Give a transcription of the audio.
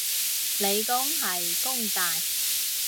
理工係弓大